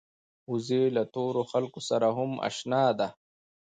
وزې له تورو خلکو سره هم اشنا ده